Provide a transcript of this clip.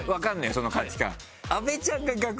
その価値観。